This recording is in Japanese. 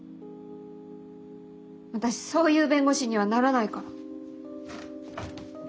私そういう弁護士にはならないから。